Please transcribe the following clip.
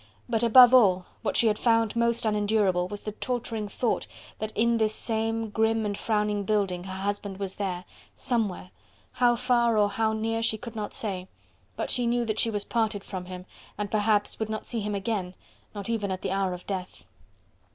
But above all, what she had found most unendurable was the torturing thought that in this same grim and frowning building her husband was there... somewhere... how far or how near she could not say... but she knew that she was parted from him and perhaps would not see him again, not even at the hour of death.